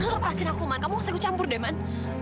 lepasin aku man kamu kasih gue campur deh man